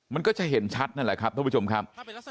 มันก็จะเห็นชัดนั่นแหละครับท่านผู้ชมครับ